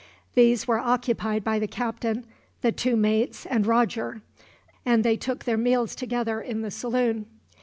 These were occupied by the captain, the two mates, and Roger; and they took their meals together in the saloon.